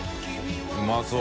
うまそう。